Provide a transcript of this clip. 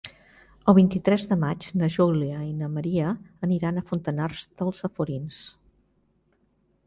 El vint-i-tres de maig na Júlia i na Maria aniran a Fontanars dels Alforins.